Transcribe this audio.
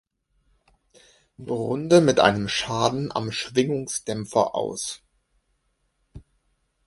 Runde mit einem Schaden am Schwingungsdämpfer aus.